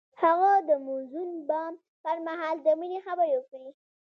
هغه د موزون بام پر مهال د مینې خبرې وکړې.